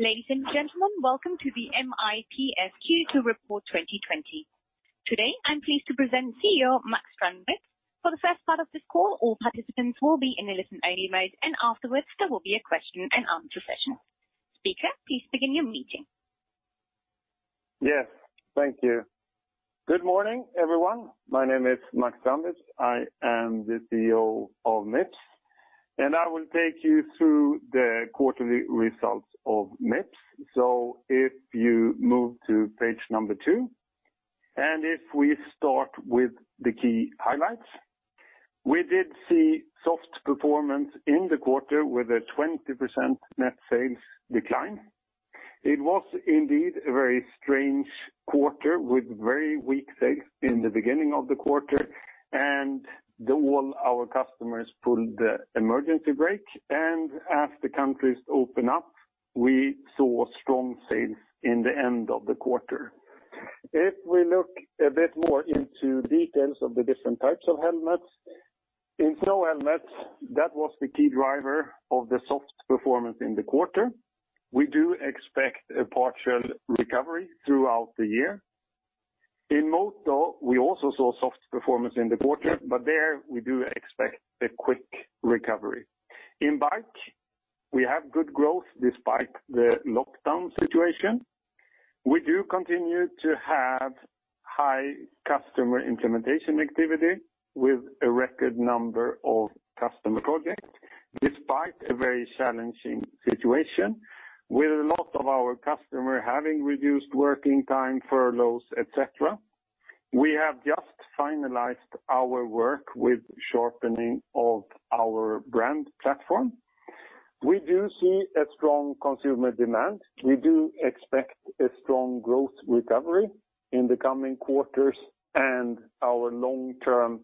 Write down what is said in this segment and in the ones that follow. Ladies and gentlemen, welcome to the Mips Q2 Report 2020. Today, I'm pleased to present CEO Max Strandwitz. For the first part of this call, all participants will be in a listen-only mode, afterwards there will be a question and answer session. Speaker, please begin your meeting. Yes, thank you. Good morning, everyone. My name is Max Strandwitz. I am the CEO of Mips, and I will take you through the quarterly results of Mips. If you move to page two, and if we start with the key highlights. We did see soft performance in the quarter with a 20% net sales decline. It was indeed a very strange quarter with very weak sales in the beginning of the quarter, and all our customers pulled the emergency brake, and as the countries open up, we saw strong sales in the end of the quarter. If we look a bit more into details of the different types of helmets. In snow helmets, that was the key driver of the soft performance in the quarter. We do expect a partial recovery throughout the year. In Moto, we also saw soft performance in the quarter, but there we do expect a quick recovery. In Bike, we have good growth despite the lockdown situation. We do continue to have high customer implementation activity with a record number of customer projects, despite a very challenging situation with a lot of our customers having reduced working time, furloughs, et cetera. We have just finalized our work with sharpening of our brand platform. We do see a strong consumer demand. We do expect a strong growth recovery in the coming quarters, and our long-term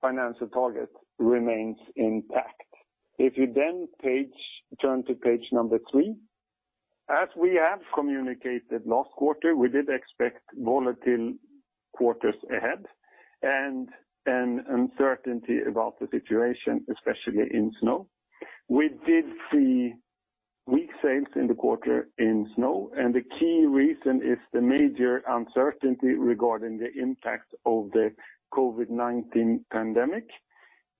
financial target remains intact. If you then turn to page number three. As we have communicated last quarter, we did expect volatile quarters ahead and an uncertainty about the situation, especially in snow. We did see weak sales in the quarter in Snow, and the key reason is the major uncertainty regarding the impact of the COVID-19 pandemic.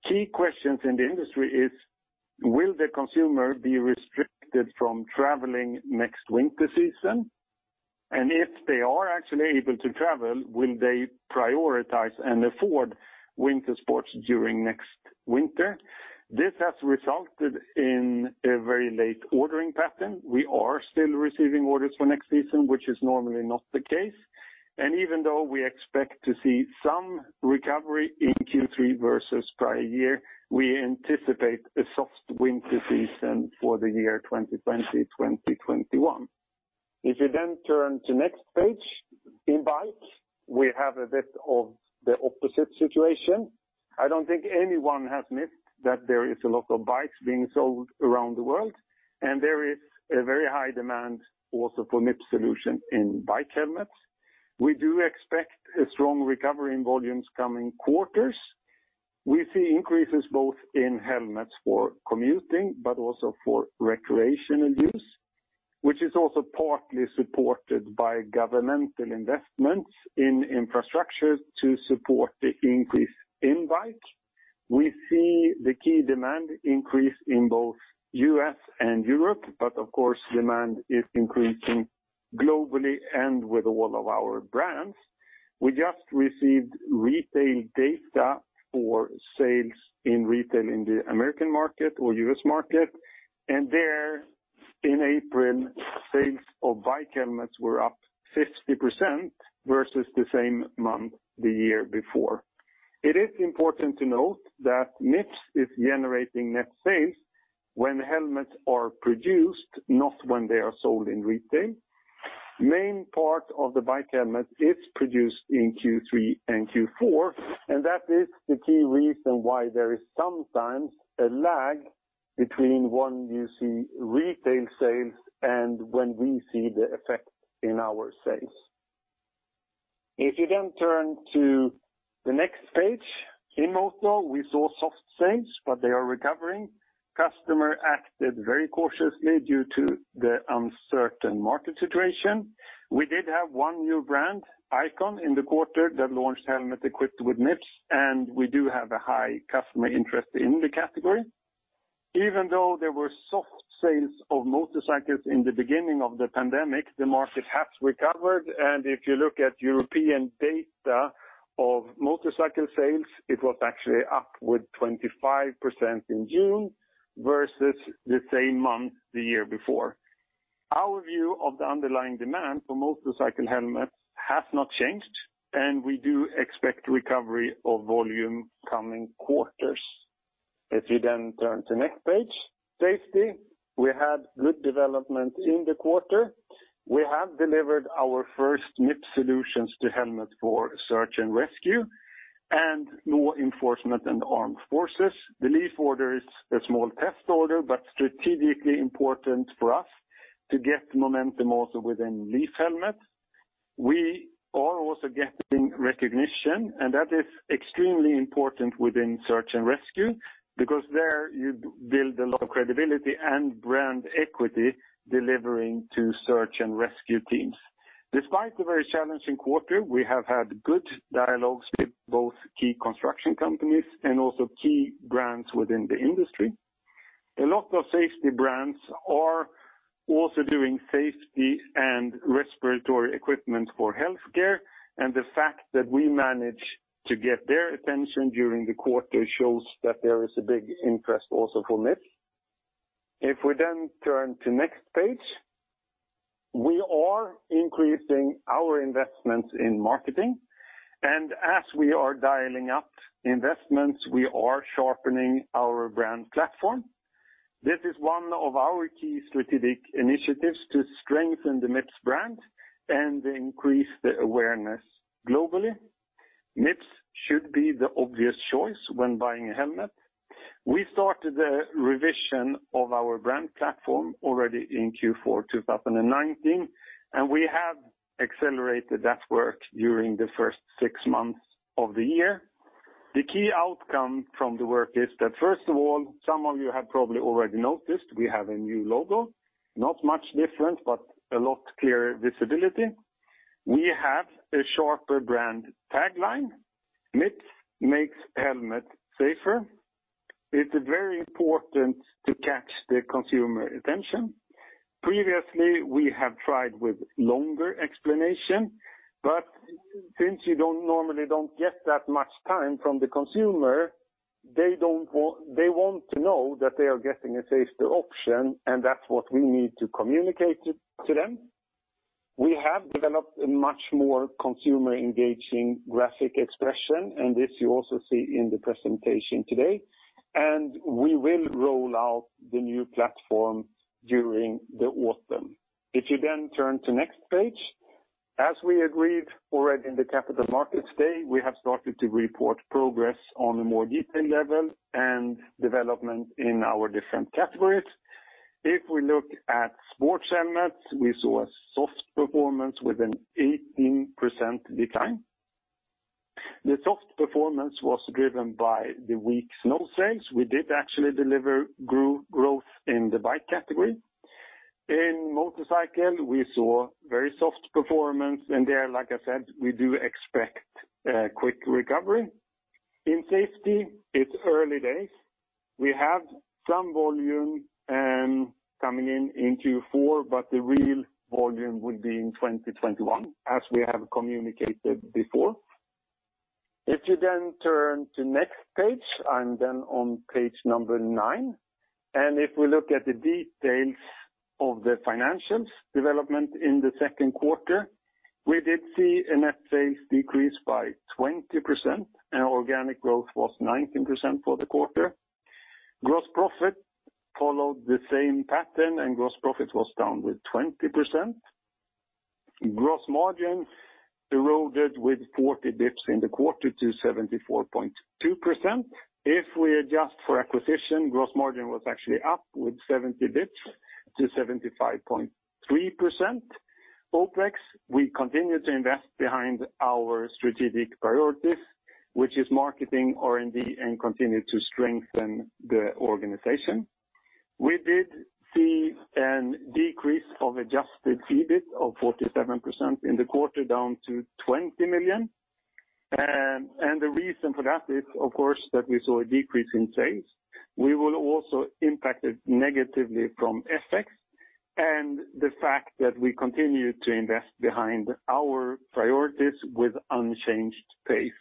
Key questions in the industry is, will the consumer be restricted from traveling next winter season? If they are actually able to travel, will they prioritize and afford winter sports during next winter? This has resulted in a very late ordering pattern. We are still receiving orders for next season, which is normally not the case. Even though we expect to see some recovery in Q3 versus prior year, we anticipate a soft winter season for the year 2020-2021. If you turn to next page. In Bike, we have a bit of the opposite situation. I don't think anyone has missed that there is a lot of bikes being sold around the world. There is a very high demand also for Mips solution in bike helmets. We do expect a strong recovery in volumes coming quarters. We see increases both in helmets for commuting, also for recreational use, which is also partly supported by governmental investments in infrastructure to support the increase in Bike. We see the key demand increase in both U.S. and Europe. Of course, demand is increasing globally with all of our brands. We just received retail data for sales in retail in the American market or U.S. market. There in April, sales of bike helmets were up 50% versus the same month, the year before. It is important to note that Mips is generating net sales when helmets are produced, not when they are sold in retail. Main part of the Bike helmet is produced in Q3 and Q4, and that is the key reason why there is sometimes a lag between when you see retail sales and when we see the effect in our sales. If you turn to the next page. In Moto, we saw soft sales, but they are recovering. Customer acted very cautiously due to the uncertain market situation. We did have one new brand, Icon, in the quarter that launched helmet equipped with Mips, and we do have a high customer interest in the category. Even though there were soft sales of motorcycles in the beginning of the pandemic, the market has recovered, and if you look at European data of motorcycle sales, it was actually up with 25% in June versus the same month, the year before. Our view of the underlying demand for motorcycle helmets has not changed, and we do expect recovery of volume coming quarters. If you then turn to next page. Safety. We had good development in the quarter. We have delivered our first Mips solutions to helmets for search and rescue and law enforcement and armed forces. The Leatt order is a small test order, but strategically important for us to get momentum also within Leatt helmet We are also getting recognition, and that is extremely important within search and rescue because there you build a lot of credibility and brand equity delivering to search and rescue teams. Despite the very challenging quarter, we have had good dialogs with both key construction companies and also key brands within the industry. A lot of safety brands are also doing safety and respiratory equipment for healthcare, and the fact that we managed to get their attention during the quarter shows that there is a big interest also for Mips. If we then turn to next page, we are increasing our investments in marketing, and as we are dialing up investments, we are sharpening our brand platform. This is one of our key strategic initiatives to strengthen the Mips brand and increase the awareness globally. Mips should be the obvious choice when buying a helmet. We started the revision of our brand platform already in Q4 2019, and we have accelerated that work during the first six months of the year. The key outcome from the work is that, first of all, some of you have probably already noticed we have a new logo. Not much different, but a lot clearer visibility. We have a sharper brand tagline. Mips makes helmet safer. It's very important to catch the consumer attention. Previously, we have tried with longer explanation, but since you normally don't get that much time from the consumer, they want to know that they are getting a safer option, and that's what we need to communicate it to them. We have developed a much more consumer-engaging graphic expression, and this you also see in the presentation today, and we will roll out the new platform during the autumn. If you then turn to next page, as we agreed already in the Capital Markets Day, we have started to report progress on a more detailed level and development in our different categories. If we look at sports helmets, we saw a soft performance with an 18% decline. The soft performance was driven by the weak snow sales. We did actually deliver growth in the bike category. In motorcycle, we saw very soft performance. There, like I said, we do expect a quick recovery. In safety, it's early days. We have some volume coming in in Q4, but the real volume will be in 2021, as we have communicated before. If you then turn to next page, I'm then on page number nine. If we look at the details of the financials development in the second quarter, we did see net sales decrease by 20%, and organic growth was 19% for the quarter. Gross profit followed the same pattern, gross profit was down with 20%. Gross margin eroded with 40 basis points in the quarter to 74.2%. If we adjust for acquisition, gross margin was actually up with 70 basis points to 75.3%. OpEx, we continue to invest behind our strategic priorities, which is marketing, R&D, and continue to strengthen the organization. We did see an decrease of adjusted EBIT of 47% in the quarter, down to 20 million. The reason for that is, of course, that we saw a decrease in sales. We were also impacted negatively from FX and the fact that we continue to invest behind our priorities with unchanged pace.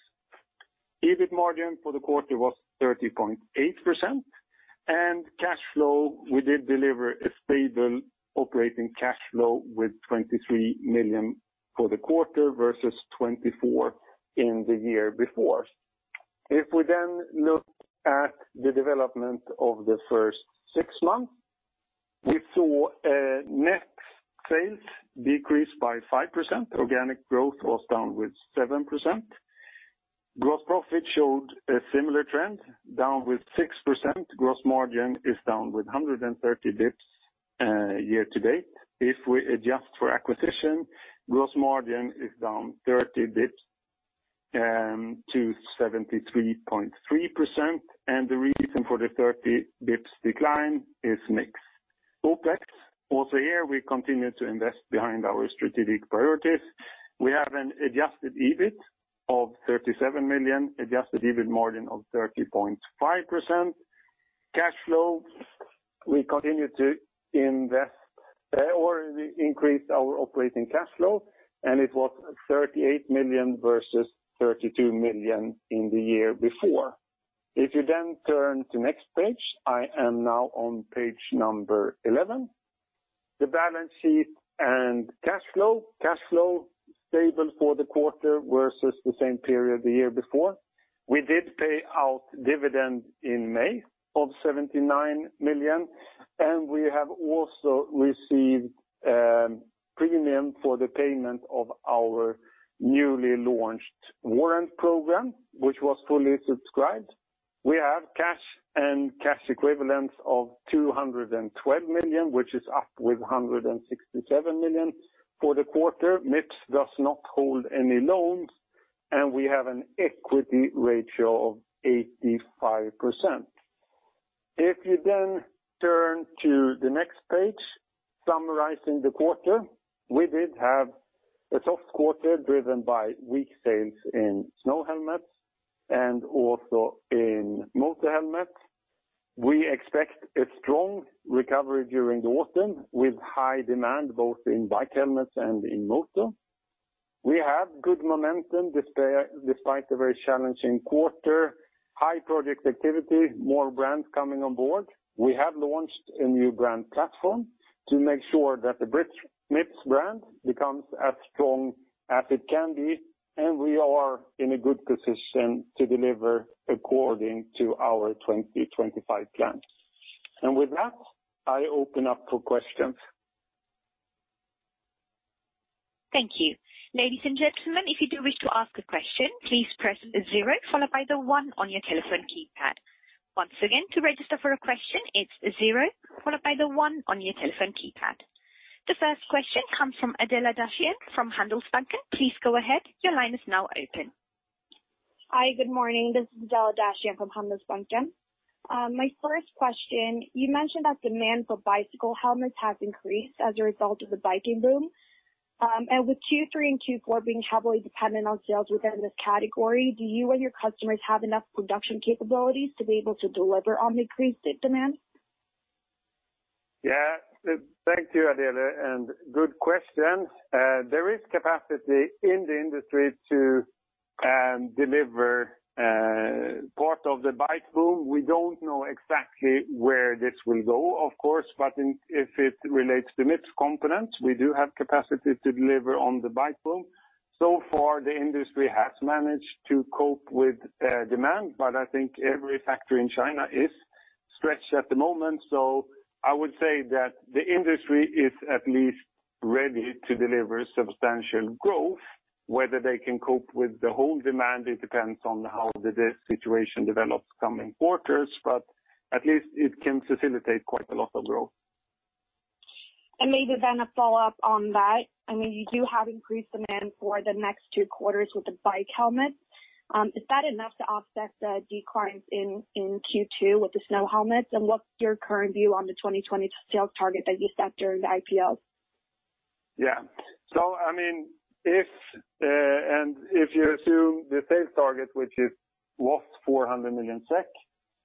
EBIT margin for the quarter was 30.8%. Cash flow, we did deliver a stable operating cash flow with 23 million for the quarter versus 24 in the year before. If we look at the development of the first six months, we saw net sales decrease by 5%. Organic growth was down with 7%. Gross profit showed a similar trend, down with 6%. Gross margin is down with 130 bps year to date. If we adjust for acquisition, gross margin is down 30 bps to 73.3%, and the reason for the 30 bps decline is mix. OpEx, also here, we continue to invest behind our strategic priorities. We have an adjusted EBIT of 37 million, adjusted EBIT margin of 30.5%. Cash flow, we continue to invest or increase our operating cash flow, and it was 38 million versus 32 million in the year before. If you then turn to next page, I am now on page number 11. The balance sheet and cash flow. Cash flow stable for the quarter versus the same period the year before. We did pay out dividend in May of 79 million, and we have also received premium for the payment of our newly launched warrant program, which was fully subscribed. We have cash and cash equivalents of 212 million, which is up with 167 million for the quarter. Mips does not hold any loans, and we have an equity ratio of 85%. If you then turn to the next page summarizing the quarter, we did have a soft quarter driven by weak sales in snow helmets and also in Moto helmets. We expect a strong recovery during the autumn, with high demand both in bike helmets and in Moto. We have good momentum despite a very challenging quarter. High project activity, more brands coming on board. We have launched a new brand platform to make sure that the Mips brand becomes as strong as it can be. We are in a good position to deliver according to our 2025 plan. With that, I open up for questions. Thank you. Ladies and gentlemen, if you do wish to ask a question, please press zero followed by the one on your telephone keypad. Once again, to register for a question, it's zero followed by the one on your telephone keypad. The first question comes from Adela Dashian from Handelsbanken. Please go ahead. Your line is now open. Hi. Good morning. This is Adela Dashian from Handelsbanken. My first question, you mentioned that demand for bicycle helmets has increased as a result of the biking boom. With Q3 and Q4 being heavily dependent on sales within this category, do you and your customers have enough production capabilities to be able to deliver on increased demand? Yeah. Thank you, Adela, and good question. There is capacity in the industry to deliver part of the bike boom. We don't know exactly where this will go, of course, but if it relates to Mips components, we do have capacity to deliver on the bike boom. Far, the industry has managed to cope with demand, but I think every factory in China is stretched at the moment. I would say that the industry is at least ready to deliver substantial growth. Whether they can cope with the whole demand, it depends on how the situation develops coming quarters, but at least it can facilitate quite a lot of growth. Maybe then a follow-up on that. You do have increased demand for the next two quarters with the bike helmets. Is that enough to offset the declines in Q2 with the snow helmets? What's your current view on the 2020 sales target that you set during the IPO? Yeah. If you assume the sales target, which is almost 400 million SEK,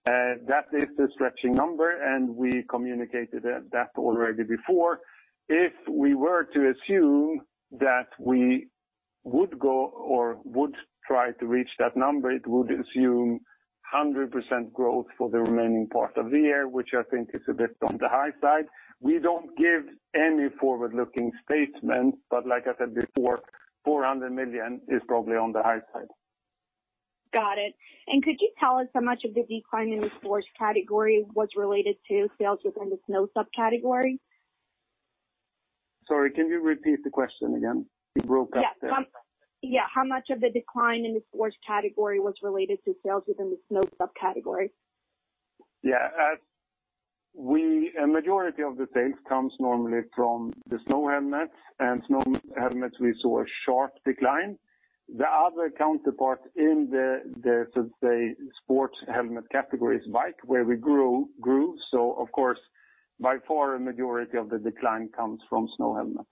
that is a stretching number, and we communicated that already before. If we were to assume that we would go or would try to reach that number, it would assume 100% growth for the remaining part of the year, which I think is a bit on the high side. We don't give any forward-looking statements, but like I said before, 400 million is probably on the high side. Could you tell us how much of the decline in the sports category was related to sales within the snow subcategory? Sorry, can you repeat the question again? You broke up there. Yeah. How much of the decline in the sports category was related to sales within the snow subcategory? Yeah. A majority of the sales comes normally from the snow helmets. Snow helmets, we saw a sharp decline. The other counterpart in the, so to say, sports helmet category is Bike, where we grew. Of course, by far a majority of the decline comes from snow helmets.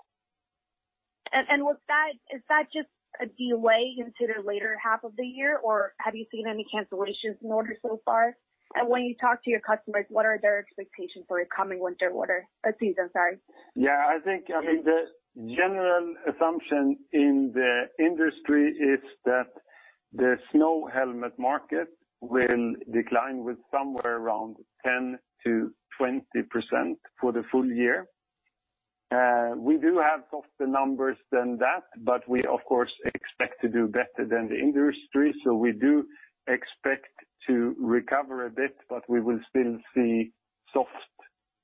Is that just a delay into the later half of the year, or have you seen any cancellations in orders so far? When you talk to your customers, what are their expectations for a coming winter order or season, sorry. Yeah. The general assumption in the industry is that the snow helmet market will decline with somewhere around 10%-20% for the full year. We do have softer numbers than that, we of course expect to do better than the industry. We do expect to recover a bit, but we will still see soft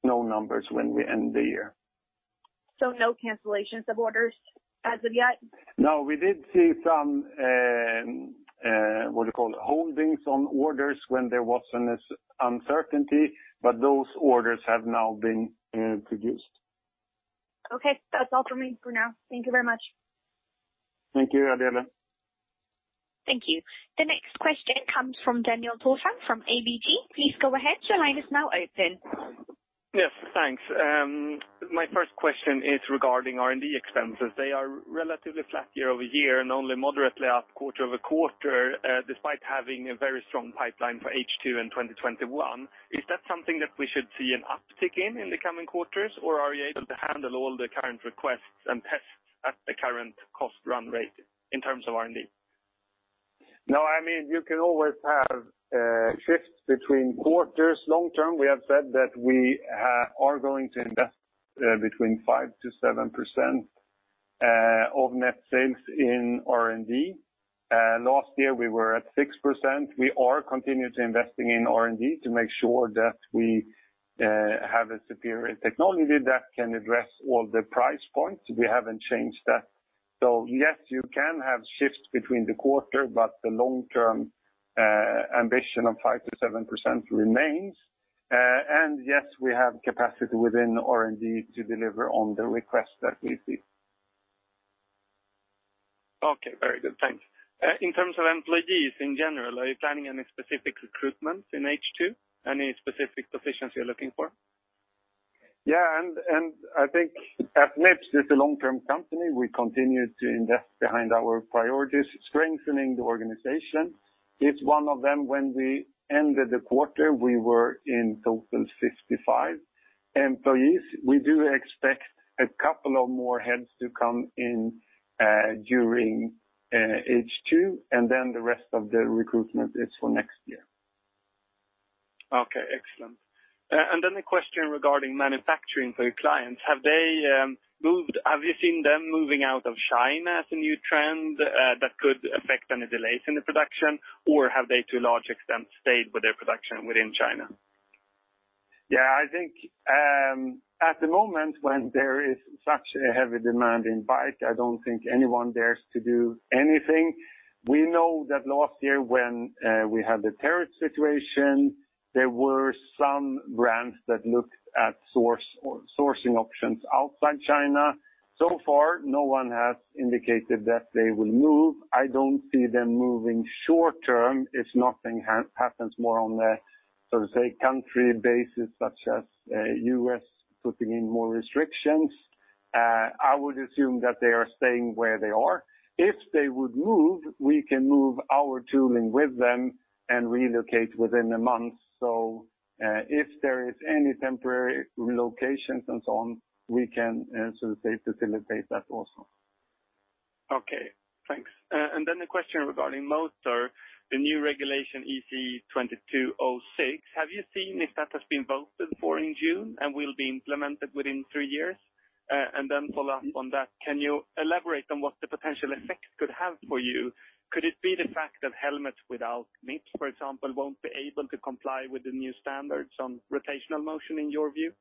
snow numbers when we end the year. No cancellations of orders as of yet? No. We did see some, what do you call it, holdings on orders when there was an uncertainty, but those orders have now been produced. Okay. That's all from me for now. Thank you very much. Thank you, Adela. Thank you. The next question comes from Daniel Thorsson from ABG. Please go ahead. Your line is now open. Yes. Thanks. My first question is regarding R&D expenses. They are relatively flat year-over-year and only moderately up quarter-over-quarter, despite having a very strong pipeline for H2 in 2021. Is that something that we should see an uptick in the coming quarters, or are you able to handle all the current requests and tests at the current cost run rate in terms of R&D? No. You can always have shifts between quarters long term. We have said that we are going to invest between 5% to 7% of net sales in R&D. Last year, we were at 6%. We are continuing to investing in R&D to make sure that we have a superior technology that can address all the price points. We haven't changed that. Yes, you can have shifts between the quarter, but the long-term ambition of 5% to 7% remains. Yes, we have capacity within R&D to deliver on the request that we see. Okay, very good. Thanks. In terms of employees in general, are you planning any specific recruitment in H2? Any specific positions you're looking for? Yeah, I think at Mips, it's a long-term company. We continue to invest behind our priorities, strengthening the organization. It's one of them. When we ended the quarter, we were in total 55 employees. We do expect a couple of more heads to come in during H2, and then the rest of the recruitment is for next year. Okay, excellent. A question regarding manufacturing for your clients. Have you seen them moving out of China as a new trend that could affect any delays in the production? Or have they to a large extent stayed with their production within China? I think at the moment, when there is such a heavy demand in Bike, I don't think anyone dares to do anything. We know that last year when we had the tariff situation, there were some brands that looked at sourcing options outside China. No one has indicated that they will move. I don't see them moving short term if nothing happens more on a, so to say, country basis, such as U.S. putting in more restrictions. I would assume that they are staying where they are. If they would move, we can move our tooling with them and relocate within a month. If there is any temporary relocations and so on, we can, so to say, facilitate that also. Okay, thanks. A question regarding Moto, the new regulation ECE 22.06. Have you seen if that has been voted for in June and will be implemented within three years? Follow up on that, can you elaborate on what the potential effects could have for you? Could it be the fact that helmets without Mips, for example, won't be able to comply with the new standards on rotational motion, in your view?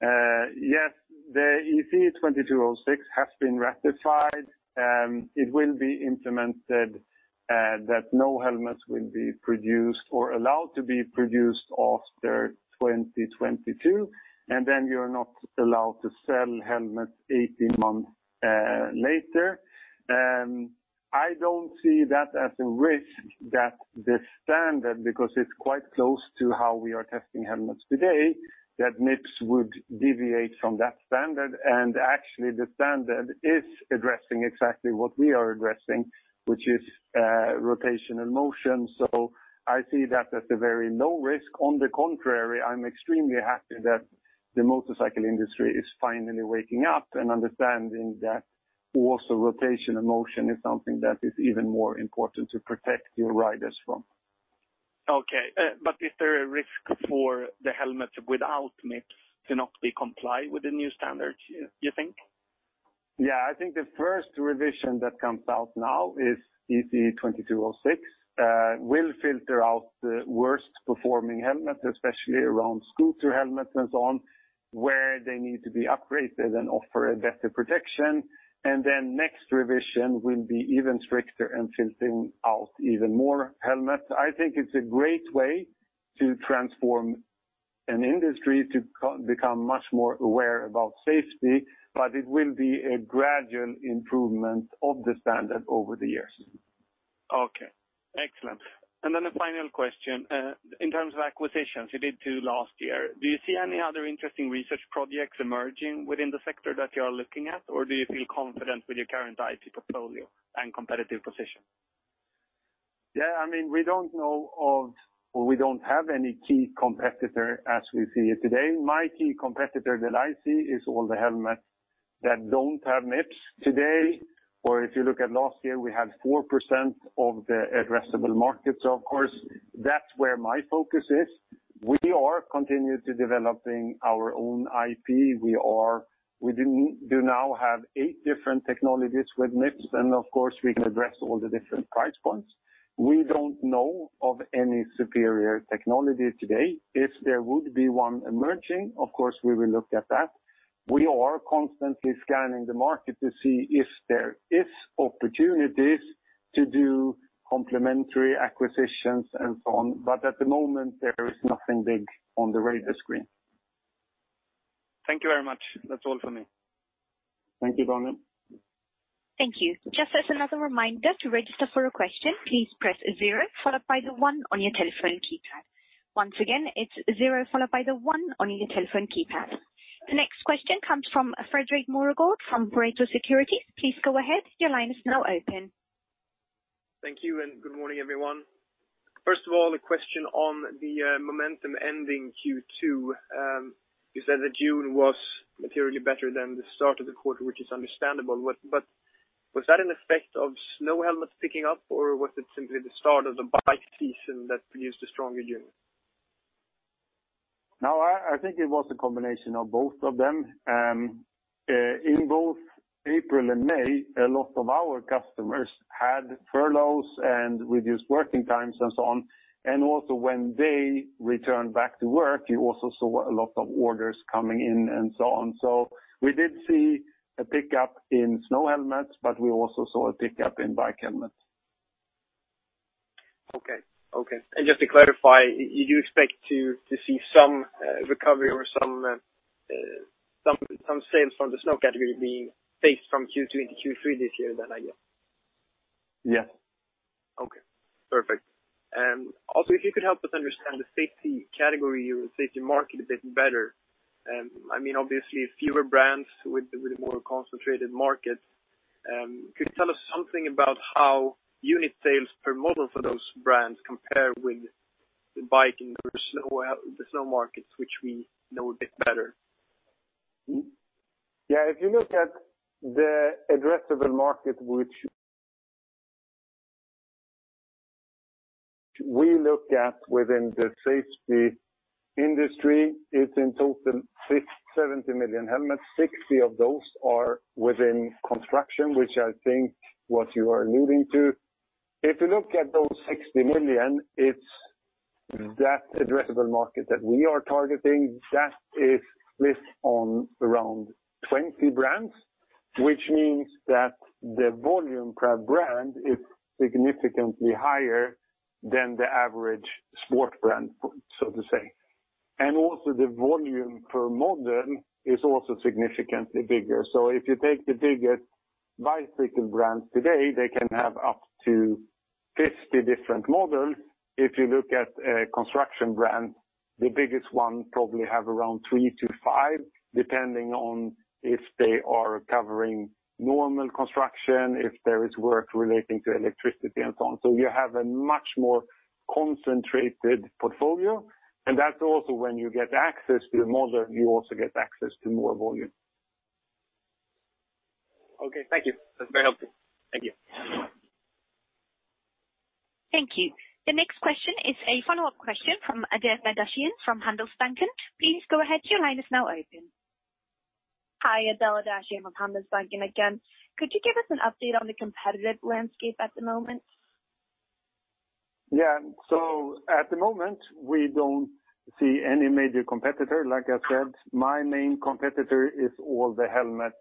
The ECE 22.06 has been ratified. It will be implemented that no helmets will be produced or allowed to be produced after 2022, and then you're not allowed to sell helmets 18 months later. I don't see that as a risk that this standard, because it's quite close to how we are testing helmets today, that Mips would deviate from that standard. And actually, the standard is addressing exactly what we are addressing, which is rotational motion. I see that as a very low risk. On the contrary, I'm extremely happy that the motorcycle industry is finally waking up and understanding that also rotational motion is something that is even more important to protect your riders from. Okay. Is there a risk for the helmets without Mips to not be compliant with the new standards, you think? Yeah. I think the first revision that comes out now is ECE 22.06 will filter out the worst performing helmets, especially around scooter helmets and so on, where they need to be upgraded and offer a better protection. Next revision will be even stricter and filtering out even more helmets. I think it's a great way to transform an industry to become much more aware about safety, but it will be a gradual improvement of the standard over the years. Okay. Excellent. A final question. In terms of acquisitions, you did two last year. Do you see any other interesting research projects emerging within the sector that you are looking at, or do you feel confident with your current IP portfolio and competitive position? Yeah, we don't have any key competitor as we see it today. My key competitor that I see is all the helmets that don't have Mips today. If you look at last year, we had 4% of the addressable market. Of course, that's where my focus is. We are continuing to developing our own IP. We do now have eight different technologies with Mips, of course, we can address all the different price points. We don't know of any superior technology today. If there would be one emerging, of course, we will look at that. We are constantly scanning the market to see if there is opportunities to do complementary acquisitions and so on. At the moment, there is nothing big on the radar screen. Thank you very much. That's all for me. Thank you, Daniel. Thank you. Just as another reminder, to register for a question, please press zero followed by the one on your telephone keypad. Once again, it's zero followed by the one on your telephone keypad. The next question comes from Fredrik Moregård from Pareto Securities. Please go ahead. Your line is now open. Thank you and good morning, everyone. First of all, a question on the momentum ending Q2. You said that June was materially better than the start of the quarter, which is understandable, but was that an effect of snow helmets picking up, or was it simply the start of the Bike season that produced a stronger June? I think it was a combination of both of them. In both April and May, a lot of our customers had furloughs and reduced working times and so on. Also when they returned back to work, you also saw a lot of orders coming in and so on. We did see a pickup in snow helmets, but we also saw a pickup in Bike helmets. Okay. Just to clarify, you expect to see some recovery or some sales from the snow category being faced from Q2 into Q3 this year, then, I guess? Yes. Okay, perfect. If you could help us understand the safety category or safety market a bit better. Obviously fewer brands with a more concentrated market. Could you tell us something about how unit sales per model for those brands compare with the Bike or the snow markets, which we know a bit better? Yeah. If you look at the addressable market which we look at within the safety industry, it's in total 70 million helmets. 60 of those are within construction, which I think what you are alluding to. If you look at those 60 million, it's that addressable market that we are targeting. That lives on around 20 brands, which means that the volume per brand is significantly higher than the average sport brand, so to say. The volume per model is also significantly bigger. If you take the biggest bicycle brand today, they can have up to 50 different models. If you look at a construction brand, the biggest one probably have around three to five, depending on if they are covering normal construction, if there is work relating to electricity and so on. You have a much more concentrated portfolio, and that is also when you get access to a model, you also get access to more volume. Okay, thank you. That's very helpful. Thank you. Thank you. The next question is a follow-up question from Adela Dashian from Handelsbanken. Please go ahead, your line is now open. Hi, Adela Dashian from Handelsbanken again. Could you give us an update on the competitive landscape at the moment? Yeah. At the moment, we don't see any major competitor. Like I said, my main competitor is all the helmets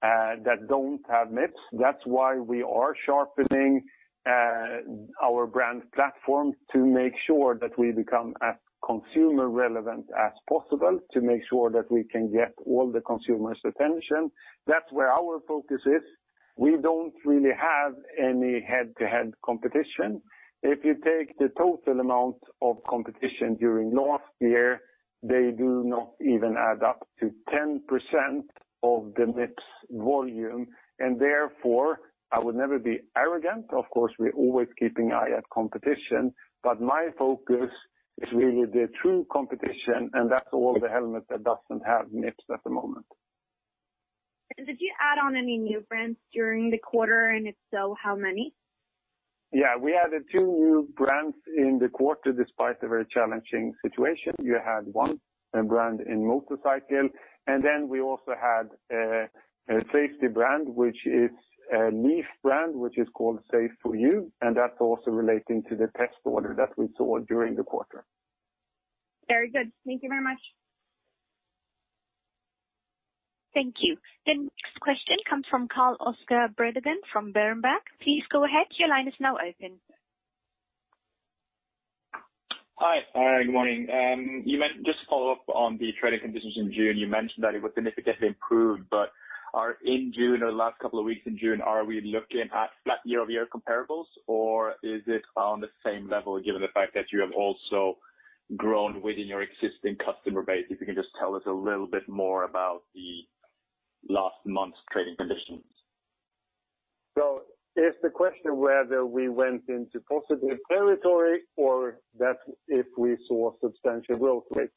that don't have Mips. That's why we are sharpening our brand platform to make sure that we become as consumer relevant as possible, to make sure that we can get all the consumers' attention. That's where our focus is. We don't really have any head-to-head competition. If you take the total amount of competition during last year, they do not even add up to 10% of the Mips volume, and therefore, I would never be arrogant. Of course, we're always keeping an eye at competition, but my focus is really the true competition, and that's all the helmets that doesn't have Mips at the moment. Did you add on any new brands during the quarter? If so, how many? We added two new brands in the quarter despite the very challenging situation. We had one brand in motorcycle, and then we also had a safety brand, which is a niche brand, which is called SAFE4U, and that's also relating to the test order that we saw during the quarter. Very good. Thank you very much. Thank you. The next question comes from Karl Oscar Bredeveien from Berenberg. Please go ahead, your line is now open. Hi. Good morning. Just to follow up on the trading conditions in June, you mentioned that it was significantly improved, but in June or the last couple of weeks in June, are we looking at flat year-over-year comparables or is it on the same level given the fact that you have also grown within your existing customer base? If you can just tell us a little bit more about the last month's trading conditions. Is the question whether we went into positive territory or that if we saw substantial growth rate?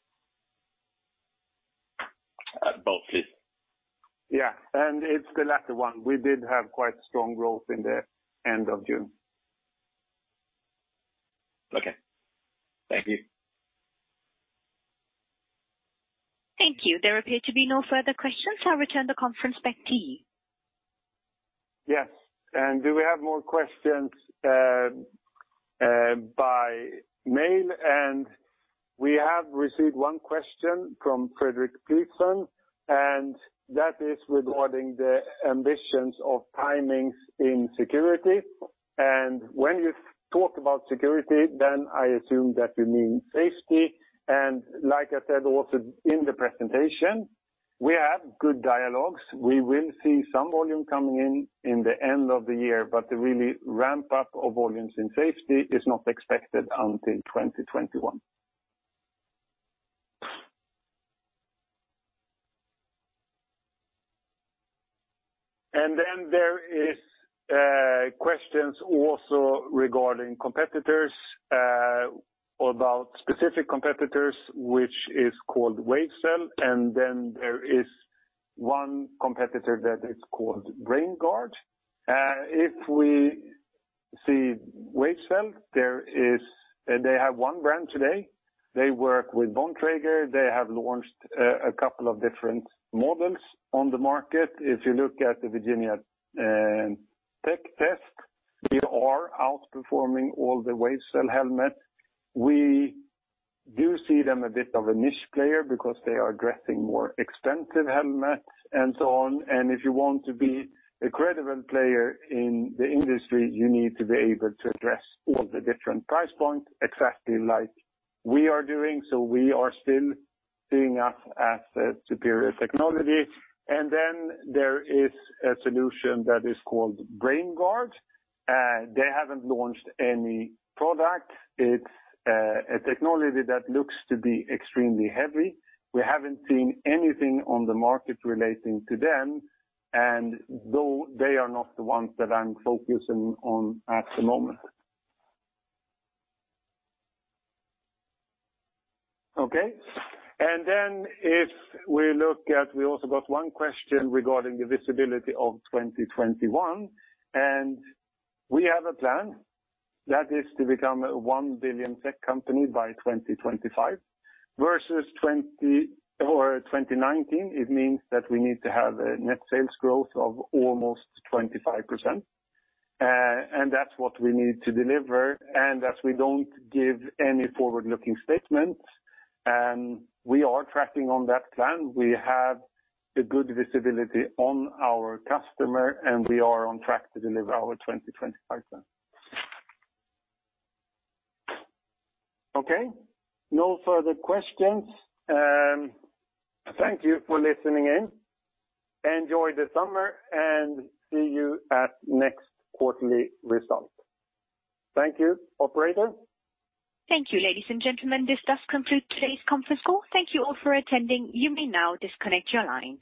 Both, please. Yeah. It's the latter one. We did have quite strong growth in the end of June. Okay. Thank you. Thank you. There appear to be no further questions. I'll return the conference back to you. Yes. Do we have more questions by mail? We have received one question from Fredrik Ivarsson, and that is regarding the ambitions of timings in security. When you talk about security, then I assume that you mean safety. Like I said also in the presentation, we have good dialogues. We will see some volume coming in the end of the year, but the really ramp up of volumes in safety is not expected until 2021. There is questions also regarding competitors, about specific competitors, which is called WaveCel, and there is one competitor that is called BrainGuard. If we see WaveCel, they have one brand today. They work with Bontrager. They have launched a couple of different models on the market. If you look at the Virginia Tech test, we are outperforming all the WaveCel helmets. We do see them a bit of a niche player because they are addressing more expensive helmets and so on. If you want to be a credible player in the industry, you need to be able to address all the different price points exactly like we are doing. We are still seeing us as a superior technology. There is a solution that is called BrainGuard. They haven't launched any product. It's a technology that looks to be extremely heavy. We haven't seen anything on the market relating to them, and though they are not the ones that I'm focusing on at the moment. Okay. We also got one question regarding the visibility of 2021, and we have a plan that is to become a 1 billion tech company by 2025 versus 2019. It means that we need to have a net sales growth of almost 25%. That's what we need to deliver. As we don't give any forward-looking statements, we are tracking on that plan. We have a good visibility on our customer, and we are on track to deliver our 2025 plan. Okay? No further questions. Thank you for listening in. Enjoy the summer and see you at next quarterly result. Thank you. Operator? Thank you, ladies and gentlemen. This does conclude today's conference call. Thank you all for attending. You may now disconnect your lines.